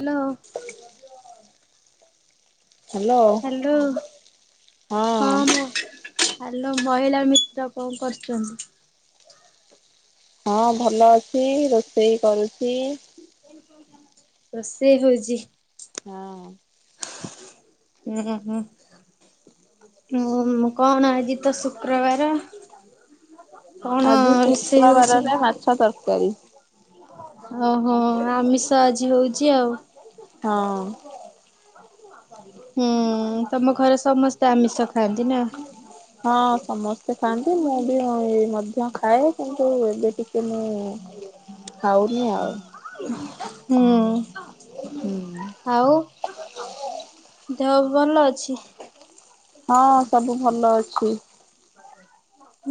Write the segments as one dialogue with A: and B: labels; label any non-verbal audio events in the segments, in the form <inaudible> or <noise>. A: Hello
B: hello
A: hello
B: ହଁ।
A: Hello ମହିଳା ମିତ୍ର କଣ କରୁଛନ୍ତି?
B: ହଁ ଭଲ ଅଛି ରୋଷେଇ କରୁଛି।
A: ରୋଷେଇ ହୋଉଛି।
B: ହଁ।
A: ଉଁ ହୁଁ ହୁଁ। ହୁଁ କଣ ଆ ଆଜି ତ ଶୁକ୍ରବାର। କଣ
B: ଆଜି
A: ରୋଷେଇ ହଉଛି?
B: ଶୁକ୍ରବାରରେ ମାଛ ତରକାରୀ।
A: ଓହୋ। ଆମିଷ ଆଜି ହୋଉଛି ଆଉ।
B: ହଁ।
A: ହୁଁ ତମ ଘରେ ସମସ୍ତେ ଆମିଷ ଖାଆନ୍ତି ନା?
B: ହଁ ସମସ୍ତେ। ସେ ଖାଆନ୍ତି ମୁଁ ବି ମଧ୍ୟ ଖାଏ କିନ୍ତୁ ଏବେ କିିକେ। ତେଣୁ ଖାାଉନି ଆ ଆଉ
A: ହୁଁ।
B: ହୁଁ।
A: ଆଉ ଦେହ ଭଲ ଅଛି।
B: ହଁ ସବୁ ଭଲ ଅଛି।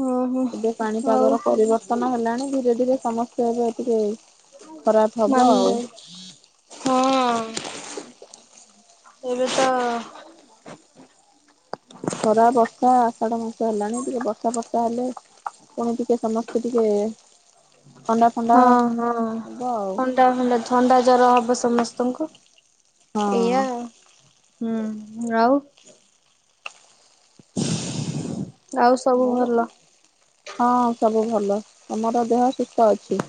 A: ଓହୋ
B: ଏବେ
A: ଆଉ
B: ପାଣିପାଗ ର ପରିବର୍ତ୍ତନ ହେଲାଣି କି? ଯ ଟିକେ ସମସ୍ତ ଟିକେ। ଖରାପ ହବ
A: ମାମୁଁ
B: ଆଉ।
A: ହଁ ଏବେ ତ।
B: ଖରା ବର୍ଷା। ଆଷାଢ ମାସ ହେଲାଣି ଟିକେ ବର୍ଷା ବର୍ଷା ହେଲେ ପୁଣି ଟିକେ ସମସ୍ତେ ଟିକେ। ଥଣ୍ଡା ଫଣ୍ଡା
A: ହଁ ହଁ
B: ହବ ଆଉ।
A: ଥଣ୍ଡା ଫଣ୍ଡା ଥଣ୍ଡା ଜର ହବ ସମସ୍ତଙ୍କୁ
B: ହଁ।
A: ଏଇଆ ହୁଁ ଆଉ। ଆଉ ସବୁ ଭଲ।
B: ହଁ ସବୁ ଭଲ ତମର ଦେହ ସୁସ୍ଥ ଅଛି।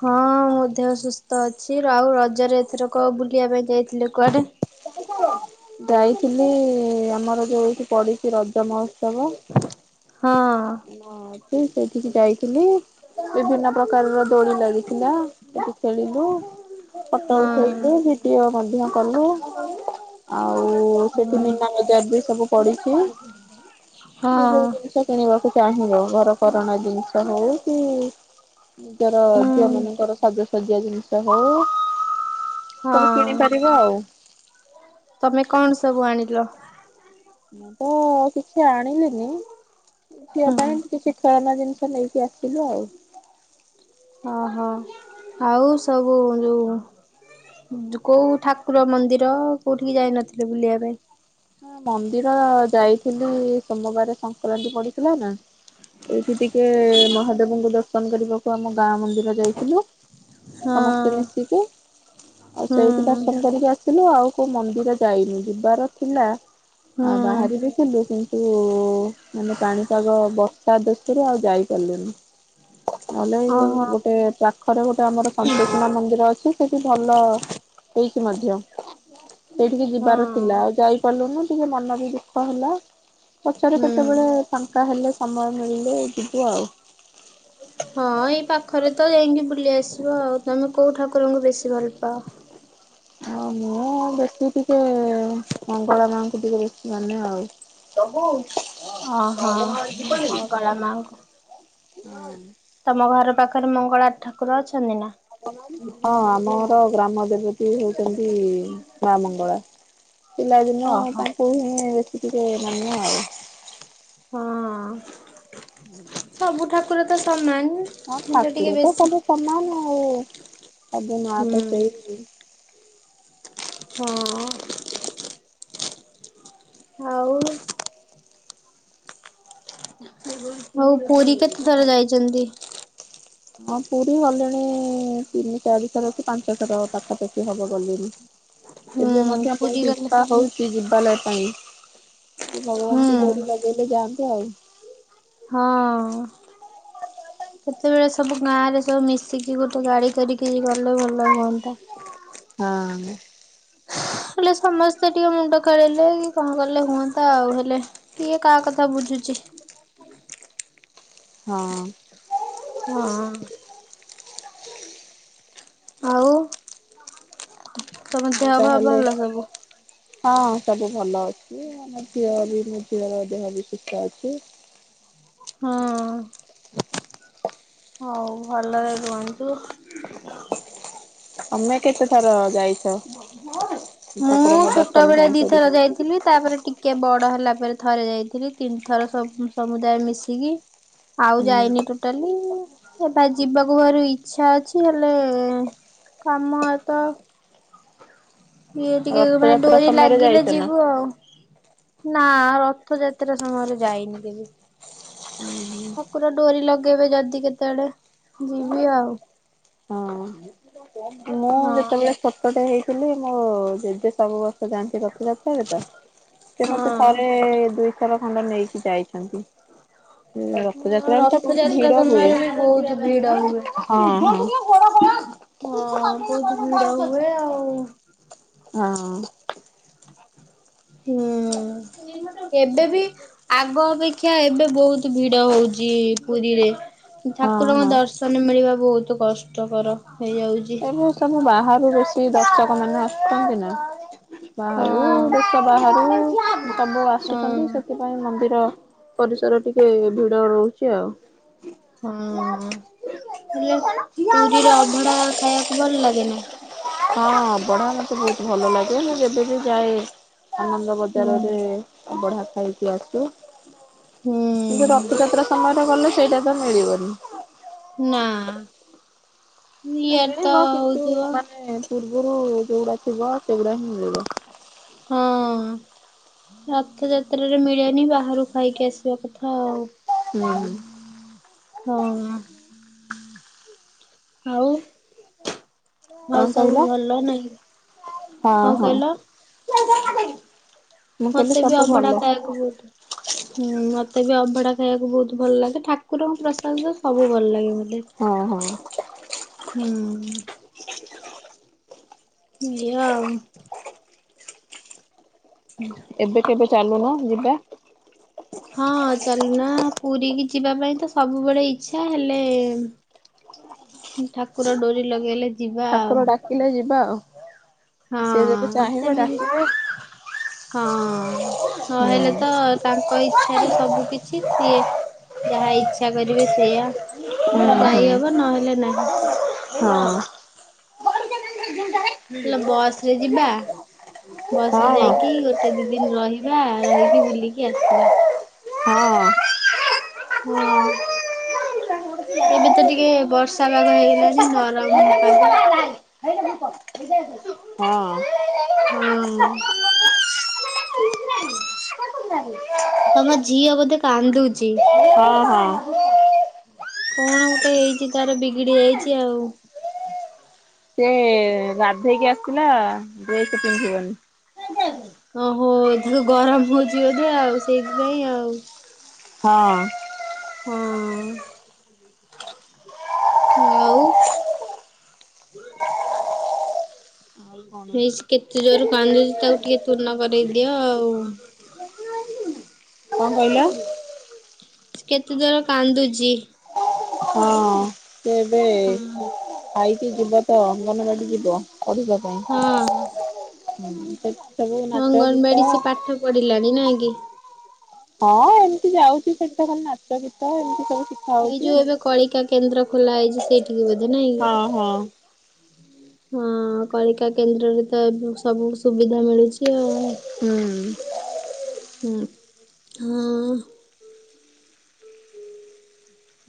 A: ହଁ ମୁଁ ଦେହ ସୁସ୍ଥ ଅଛି ଆଉ ରଜରେ ଏଥର କ ବୁଲିବା ପାଇଁ ଯାଇଥିଲି କୁଆଡେ।
B: ଯାଇଥିଲି ଆମର ଯୋଉ ଏଇଠି ପଡିଛି ରଜ ମହ ଉ ସବ।
A: ହଁ
B: ସେଇଠିକି ଯାଇଥିଲି ବିଭିନ୍ନ ପ୍ରକାରର ଦୋଳି ଲାଗିଥିଲା ସେଠି ଖେଳିଲୁ ଫଟ
A: ହଁ
B: ଉଠେଇଲୁ ଭିଡିଓ ମଧ୍ୟ। କଲୁ। ଆଉ ସେଠି
A: ହଁ
B: ମୀନାବଜାର ବି ସବୁ ପଡିଛି ସେ ଯୋଉ
A: ହଁ
B: ଜିନିଷ କିଣିବାକୁ ଚାହିଁବ ଘର କ କଣା ଜିନିଷ ହଉ କି ନିଜର ଝିଅ
A: ହୁଁ।
B: ମାନଙ୍କର ସାଜ ସଜା ଜିନିଷ ହଉ। ସବୁ
A: ହଁ
B: କିଣିପାରିବ ଆଉ।
A: ତମେ କଣ ସବୁ ଆଣିଲ।
B: ମୁଁ ତ କିଛି ଆଣିଲିନି। ଝିଅ
A: ହୁଁ
B: ପାଇଁ କି କିଛି। ଖେଳନା ଜିନିଷ ନେଇକି ଆସିଲି ଆଉ।
A: ଓହୋ ଆଉ ସବୁ ଯୋଉ କୋଉ ଠାକୁର ମନ୍ଦିର କୋଉଠିକି ଯାଇନଥିଲେ ବୁଲିବା ପାଇଁ।
B: ହଁ ମନ୍ଦିର ଯାଇଥିଲି। ସୋମବାର ସଂକ୍ରାନ୍ତି ପଡିଥିଲା ନା ଏଇଠି ଟିକେ ମହାଦେବଙ୍କୁ ଦର୍ଶନ କରିବାକୁ ଆମ ଗାଁ ମନ୍ଦିର ଯାଇଥିଲୁ।
A: ହଁ
B: ସମସ୍ତେ ମିଶିକି ଆଉ ସେଇଠି
A: ହୁଁ
B: ଦର୍ଶନ କରିକି ଆ ଥିଲୁ ଆଉ କୋଉ ମନ୍ଦିର ଯାଇନି ଯିବାର। ଥିଲା। ଆଉ
A: ହୁଁ।
B: ବାହାରିବି କେବେ କୁ? ଉଁ ମାନେ ପାଣିପାଗ ବର୍ଷା ଦେ ସେରେ ଆଉ ଯାଇପାରଲିନି। ନହେଲେ
A: ଓହୋ
B: ଗୋଟେ ପାଖରେ ଗୋଟେ ଆମର ସନ୍ତୋଷିମା ମନ୍ଦିର ଅଛି। ସେଠି ଭଲ ହେଇଛିି ମଧ୍ୟ ସେଇଠିକି ଯିବାର
A: ହଁ
B: ଥିଲା ଆ ଯାଇପାରିଲୁନି ଟିକେ ମନ ବି ଦୁଃଖ ହେଲା। ପଚାର
A: ହୁଁ।
B: କେତେବେଳେ ଫାଙ୍କା ହେଲେ। ସମୟ ମିଳିଲେ ଯିବି ଆଉ।
A: ହଁ ଏଇ ପାଖରେ ତ ଯାଇକି ବୁଲି ଆସିବ ଆଉ ତମେ କୋଉ ଠାକୁରଙ୍କୁ ବେଶୀ ଭଲ ପାଅ।
B: ହଁ ମୁଁ ବେଶି ଟିକେ ମଙ୍ଗଳା ମାଙ୍କୁ ଟିକେ ବେଶୀ ମାନେ ଆଉ। ହଁ
A: ଓହୋ ମଙ୍ଗଳା ମାଙ୍କୁ।
B: ହଁ।
A: ତମ ଘର ପାଖରେ ମଙ୍ଗଳା ଠାକୁର ଅଛନ୍ତି ନା?
B: ହଁ ଆମର ଗ୍ରାମ ଦେବତୀ ହଉଛନ୍ତି ମା ମଙ୍ଗଳା ପିଲାଦିନେ
A: ଓହୋ।
B: ତାଙ୍କୁ ହିଁ ଟିକେ ମାନେ ଆଉ।
A: ହଁ।
B: ହୁଁ।
A: ସବୁ ଠାକୁର ତ ସମାନ।
B: ହଁ
A: ହେଲେ ଟିକେ
B: ଠାକୁର ତ
A: ବେଶୀ
B: ସବୁ ସମାନ। ସବୁ ମାଆ ତ
A: ହୁଁ
B: ସେଇ
A: ହଁ। ହୋଉ ହଉ ପୁରୀ କେତେ ଥର ଯାଇଛନ୍ତି?
B: ହଁ ପୁରୀ ଗଲେଣି ତିନି ଚାରିଶର କି ପାଞ୍ଚ ଥର ପାଖାପାଖି ହବ ଗଲିଣି।
A: ହୁଁ
B: ଏବେ ମଧ୍ୟ
A: ପୁରୀ
B: ବହୁତ
A: ଗଲେ
B: ଇଚ୍ଛା ହଉଛି ଯିବା ଲ ଉଁ
A: ହୁଁ।
B: ଭଗବାନଙ୍କୁ ଡୋରି ଲଗିଇଲେ ଯାଆନ୍ତି ଆଉ?
A: ହଁ <inaudible> କେତେବେଳେ ସବୁ ଗାଁ ରେ ସବୁ ମିସି ସେଟି ଗୋଟେ ଗାଡି କରିକି ଗଲେ ଭଲ ହୁଅନ୍ତା।
B: ହଁ
A: ହେଲେ ସମସ୍ତେ ଟିକେ ମୁଣ୍ଡ ଖେଲେଇଲେ କଣ କଲେ ହୁଅନ୍ତା ଆଉ ହେଲେ ଟିକେ କାହା କଥା ବୁଝୁଛି।
B: ହଁ।
A: ହଁ। ଆଉ ତମ
B: ଆଉ
A: ଦେହ ପା
B: ତାହେଲେ
A: ଭଲ ସବୁ?
B: ହଁ ସବୁ ଭଲ ଅଛି। ଆମ ଝିଅ ବି ମୋ ଝିଅର ଦେହ ବି ସୁସ୍ଥ ଅଛି।
A: ହଁ। ହଉ ଭଲରେ ରୁହନ୍ତୁ
B: ତମେ କେତେଥର ଯାଇଚ?
A: ମୁଁ ଛୋଟ ବେଳେ ଦି ଥର ଯାଇଥିଲି ତାପରେ ଟିକେ ବଡ ହେଲା ତାପରେ ଥରେ ଯାଇଥିଲି ତିନି ଥର ସମୁଦାୟ ମିଶିକି। ଆଉ
B: ହୁଁ
A: ଯାଇନି ଟୋଟାଲି। ଏ ବା ଯିବାକୁ ଘରୁ ଇଚ୍ଛା ଅଛି ହେଲେ କାମ ତ ଇଏ ଟିକେ ମାନେ
B: ରଥଯାତ୍ରା
A: ଡୋରି
B: ସମୟରେ
A: ଲାଗିଲେ
B: ଯାଇଛ ନା?
A: ଯିବୁ ଆଉ। ନା ରଥଯାତ୍ରା ସମୟରେ ଯାଇନି କେବେ। ଠାକୁର ଡୋରି ଲଗେଇବେ ଯଦି କେତେବେଳେ ଯିବି ଆଉ।
B: ହଁ ଯେତେବେଳେ ଛୋଟଟେ ହେଇ ଥିଲି ମୋ ଜେଜେ ସବୁ ବର୍ଷ ଯାଆନ୍ତି ରଥ ରଥରେ ତ ସେ ମତେ ଥରେ
A: ହଁ
B: ଦୁଇ ଉତ୍ତରାଖଣ୍ଡ ନେଇକି ଯାଇଛନ୍ତି। ରଥଯାତ୍ରାରେ ତ ବହୁତ
A: ରଥଯାତ୍ରା
B: ଭିଡ ହୁଏ
A: ସମୟରେ ବି ବହୁତ ଭିଡ ହୁଏ।
B: ହଁ ହଁ। ହଁ
A: ହଁ ବହୁତ ଭିଡ ହୁଏ ଆଉ
B: ହଁ ହଁ।
A: ହୁଁ। ଏବେ ବି ଆଗ ଅପେକ୍ଷା ଏବେ ବହୁତ ଭିଡ ହଉଛି ପୁରୀରେ। ଠାକୁରଙ୍କ
B: ହଁ
A: ଦର୍ଶନ ମିଳିବା ବହୁତ ବହୁତ କଷ୍ଟକର ହେଇଯାଉଛି।
B: ଏବେ ସବୁ ବାହାରୁ ବେଶି ଦର୍ଶକ ମାନେ ଆସୁଛନ୍ତି ନା। ହଁ।
A: ହଁ
B: ବାହାରୁ ଦେଶ ବାହାରୁ ସବୁ
A: ହଁ
B: ଆସୁଛନ୍ତି ସେଥିପାଇଁ ମନ୍ଦିର ର ପରିସର ଟିକେ ଭିଡ ରହୁଛି ଆଉ।
A: ହଁ ହେଲେ ପୁରୀରେ ଅଭଢା ଖାଇବାକୁ ଭଲ ଲାଗେ ନା।
B: ହଁ ଅବଢା ମତେ ବହୁତ ଭଲ ଲାଗେ। ମୁଁ ଯେବେ ବିି ଯାଏ ଆନନ୍ଦ
A: ହୁଁ
B: ବଜାରରେ ଅବଢା ଖାଇକି ଆସୁ।
A: ହୁଁ
B: କିନ୍ତୁ ରଥଯାତ୍ରା ସମୟରେ ତ କଲେ ସେଇଟା ତ ମିଳିବନି।
A: ନା। ଇଆଡେ ତ
B: ମିଳିବ କିନ୍ତୁ
A: ହଉଥିବ
B: ମାନେ ପୂର୍ବରୁ ଯୋଉଗୁଡା ଥିବ ସେଗୁଡା ହିଁ ମିଳିବ।
A: ହଁ ରଥଯାତ୍ରାରେ ମିଳେନି ବାହାରୁ ଖାଇକି ଆସିବା କଥା ଆଉ।
B: ହୁଁ।
A: ହ। ଆଉ।
B: କଣ
A: ଆଉ ସବୁ
B: କହିଲ
A: ଭଲ ନାହିଁ
B: ହଁ
A: କଣ
B: ହଁ।
A: କହିଲ?
B: <unintelligible> କହିଲି
A: ମତେ ବି
B: ସବୁ
A: ଅଭଢା
B: ଭଲ
A: ଖାଇବାକୁ ବହୁତ ହୁଁ ମତେ ବି ଅଭଢା ଖ ଖାଇବାକୁ ବହୁତ ଭଲ ଲାଗେ ଠା କୁରଙ୍କ ପ୍ରସାଦ ସବୁ ଭଲ ଲାଗେ ମୋତେ
B: ହଁ ହଁ
A: ହୁଁ। ହୁଁ। ଏୟା ଆଉ।
B: ଏବେ କେବେ? ଚାଲୁନ ଯିବା।
A: ହଁ ଚାଲୁନା ପୁରୀ କିି ଯିବା ପାଇଁ ତ ସବୁବେଳେ ଇଚ୍ଛା ହେଲେ ଠାକୁର ଡୋରି ଲଗେଇଲେ ଯିବା ଆଉ
B: ଠାକୁର ଡାକିଲେ ଯିବା ଆଉ। ସେ ଯେବେ
A: ହଁ
B: ଚାହିଁବ
A: ସେମିତି
B: ଡାକିବେ।
A: ହଁ
B: ହୁଁ
A: ନହେଲେ ତ ତାଙ୍କ ଇଚ୍ଛାରେ ସବୁ କିଛି ସିଏ ଯାହା ଇଚ୍ଛା କରିବେ ସେଇଆ
B: ହୁଁ
A: ଯାଇହବ ନହେଲେ ନାହିଁ।
B: ହଁ
A: ହେଲା ବସ ରେ ଯିବା ବସରେ
B: ହଁ।
A: ଯାଇକି ଗୋଟେ ଦି ଦିନ ରହିବା
B: ହଁ।
A: ରହିକି ବୁଲିକି ଆସିବା।
B: ହଁ
A: ହଁ ଏବେ ତ ଟିକେ ବର୍ଷା ପାଗ ହେଇଗଲାଣି ନରମ ପାଗ ହଁ। ତମ ଝିଅ ବୋଧେ କାନ୍ଦୁଛି?
B: ହଁ ହଁ।
A: କଣ ଗୋଟେ ହେଇଛି ତାର ବିଗିଡି ଯାଇଛି ଆଉ।
B: ସେ ଗାଧେଇକି ଆସିଥିଲା ଡ୍ରେସ ପିନ୍ଧିବନି।
A: ଓହୋ ତାକୁ ଗରମ ହଉଛି ବୋଧେ ଆଉ ସେଇଥିପାଇଁ ଆଉ।
B: ହଁ।
A: ହଁ। ଆଉ
B: ଆଉ କଣ?
A: ହେଇ କେତେ ଜୋର କାନ୍ଦୁଛି ତାକୁ ଟିକେ ତୁନ କରେଇଦିଅ ଆଉ।
B: କଣ କହିଲ?
A: କେତେ ଯୋରେ କାନ୍ଦୁଚି।
B: ହଁ ଏବେ
A: ହଁ
B: ଆାଇ ସିଏ ଯିବ ତ ଅଙ୍ଗନବାଡ଼ି ଯିବ ପଢିବା
A: ହଁ
B: ପାଇଁ ହୁଁ ତ
A: ଅଙ୍ଗନବାଡି ସେ ପାଠ ପଢିଲାଣି ନାଇଁ କି। <inaudible>
B: ହଁ ଏମିତି ଯାଉଛି ସେଠି ଖାଲି ନାଚ ଗୀତ ଏମିତି ସବୁ ଶିଖା
A: ସେଇ
B: ହଉଛି।
A: ଯୋଉ ଏବେ କଳିକା କେନ୍ଦ୍ର ଖୋଲା ହେଇଛି ସେଇଠି ବୋଧେ ନାଇଁ
B: ହଁ ହଁ
A: କି ହଁ କଳିକା କେନ୍ଦ୍ରରେ ତ ଏ ସବୁ ସୁବିଧା ମିଳୁଛି ଆଉ।
B: ହୁଁ
A: ହୁଁ ହଁ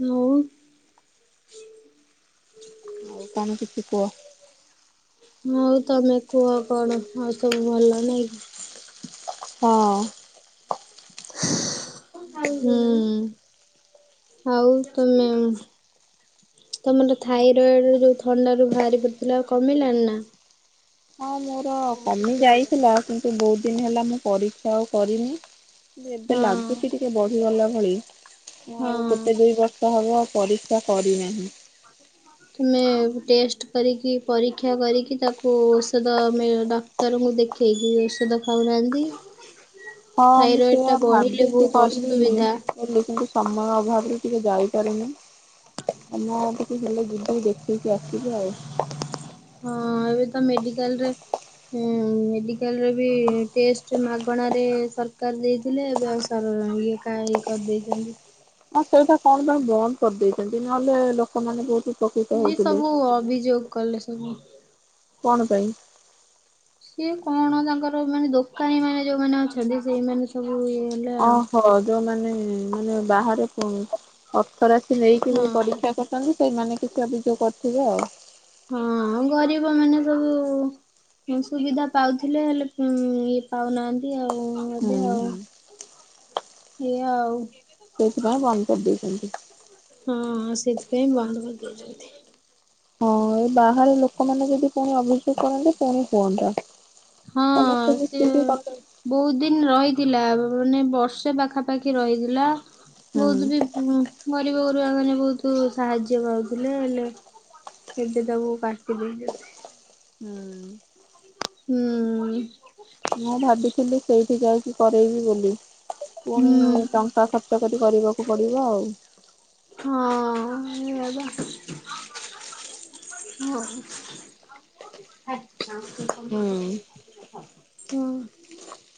A: ଆଉ
B: ଆଉ କଣ କିଛି କୁହ
A: ହଉ ତମେ କୁହ କଣ ଆଉ ସବୁ ଭଲ ନାଇଁ କି?
B: ହଁ।
A: ହୁଁ ଆଉ ତମେ ତମର ଥାଇରଏଡ ଯୋଉ ଥଣ୍ଡ ରୁ ବାହାରି ପଡିଥିଲା କମିଲଣିି ନା
B: ହଁ କମି ଯାଇଥିଲ କିନ୍ତୁ ବହୁତ ଦିନ ହେଲା ମୁଁ ପରୀକ୍ଷା ଆଉ କରିନି। ଏବେ
A: ହଁ।
B: ଲାଗୁଛି ଟିକେ ବଢିଗଲା ଭଳି ମୁଁ
A: ହଁ।
B: ଆଉ କେତେ ଦୁଇ ବର୍ଷ ହବ । ପରୀକ୍ଷା କରିନାହିଁ।
A: ତମେ ଟେଷ୍ଟ କରିକି ପରୀକ୍ଷା କରିକି ତାକୁ ଔଷଧ ଆମେ ଡାକ୍ତରଙ୍କୁ ଦେଖେଇକି ଔଷଧ ଖାଉନାହାନ୍ତି।
B: ହଁ ମୁଁ
A: ଥାଇରଏଡ
B: ସେଆ
A: ଟା ବଢିଲେ
B: ଭାବିକି
A: ବହୁତ
B: କରିବି
A: ଅସୁବିଧା।
B: କିଲ କିନ୍ତୁ ସମୟ ଅଭାବ ଟିକେ ଯାଇପାରୁନି ଆମ ଟିକେ ଭଲ ଯୁିବି ଦେଖେଇିକି ଆସିବି ଆଉ।
A: ହଁ ଏବେ ତ ମେଡିକାଲରେ ମେଡିକାଲରେ ବି ଟେଷ୍ଟ ମାଗଣ ାରେ ସରକାର ଦେଇଥିଲେ ଏବେ ଆଉ ଇଏ କା ଇ କରିଦେଇଛନ୍ତି।
B: ହଁ ସେଇଟା କଣ କଣ ବନ୍ଦ କରିଦେଇଛନ୍ତି ନହେଲେ ଲୋକମାନେ ବହୁତ ଉପକୃତ
A: ଇ
B: ହଉଥିଲେ।
A: ସବୁ ଅଭିଯୋଗ କଲେ ହ
B: କଣ ପାଇଁ
A: ସିଏ କଣ ତାଙ୍କର ମାନେ ଦୋକାନୀ ମାନେ ଯୋଉମାନେ ଅଛନ୍ତି ସେଇମାନେେ ସବୁ ଇଏ ହେଲେ ଆଉ।
B: ଓହୋ ଯୋଉ ମାନେ ମାନେ ବାହାରେ ପ ଅଥରାସି ନେଇକି ବି ପରୀକ୍ଷା
A: ହଁ
B: କରୁଛନ୍ତି ସେମାନେ କିଛି ପଚା ପିଚ <unintelligible> କରିଥିବେ ଆଉ
A: ହଁ, ଆଉ ଗରିବ ମାନେ ସବୁ ସୁବିଧା ପାଉଥିଲେ, ହେଲେ ଇଏ ପାଉନାହାନ୍ତି। ଆଉ ଏବେ ଆଉ
B: ହୁଁ
A: ଇଏ ଆଉ
B: ସେଥିପାଇଁ ବନ୍ଦ କରି ଦେଇଛନ୍ତି୍।
A: ସେଥିପାଇଁ ବନ୍ଦ କରି ଦେଇଛନ୍ତି୍।
B: ହଁ ଏଇ ବାହାରେ ଲୋକମାନେ ଯଦି ପୁଣି ଅଭିଯୋଗ କରନ୍ତେ ପୁଣି ହୁଅନ୍ତା ।
A: ହଁ ସେଏ ବହୁତ ଦିନ ରହି ଥିଲା ମାନେ ବର୍ଷେ ପାଖାପାଖି ରହିଥିଲା।
B: ହୁଁ
A: ବହୁତ ବି ଗରିବ ଗୁରୁଆ ମାନେ ବହୁତ ସାହାଯ୍ୟ ପାଉଥିଲେ ହେଲେ, ଏବେ ତାକୁ କାଟି ଦେଇ
B: ହୁଁ।
A: ହୁଁ।
B: ମୁଁ ଭାବିଥିଲି, ସେଇଠି ଯାଇକି କରୋଇବି ବୋଲି ।
A: ହୁଁ
B: ପୁଣି ଟଙ୍କା ଖର୍ଚ୍ଚ କରି କରିବ । ପଡ଼ିବ ଆଉ
A: ହଁ ବା ହଁ
B: ହୁଁ।
A: ହଁ ।